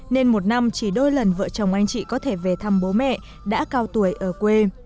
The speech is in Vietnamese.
nên một năm chỉ đôi lần vợ chồng anh chị có thể về thăm bố mẹ đã cao tuổi ở quê